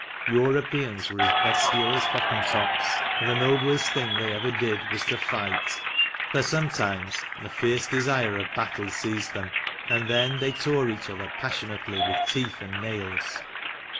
Europeans were as bestial as Hottentots, and the noblest thing they ever did was to fight; for some times a fierce desire of battle seized them, and then they tore each other passionately with teeth and nails.